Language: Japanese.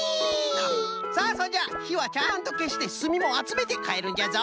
さあそんじゃひはちゃんとけしてすみもあつめてかえるんじゃぞ。